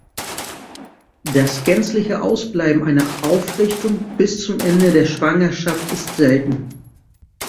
Das gänzliche Ausbleiben einer Aufrichtung bis zum Ende der Schwangerschaft ist selten.